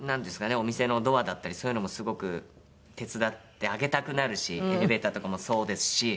お店のドアだったりそういうのもすごく手伝ってあげたくなるしエレベーターとかもそうですし。